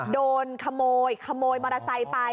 โดนขโมยขโมยมารถที่นี่ไง